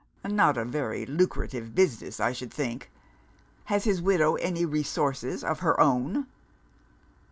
Not a very lucrative business, I should think. Has his widow any resources of her own?"